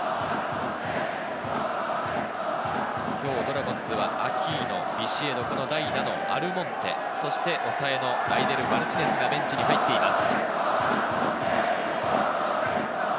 今日、ドラゴンズはアキーノ、ビシエド、この代打のアルモンテ、そして抑えのライデル・マルティネスがベンチに入っています。